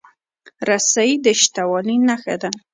رسۍ د شته والي نښه ده.